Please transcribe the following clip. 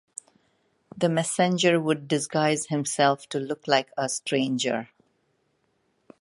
The messenger would disguise himself to look like a stranger.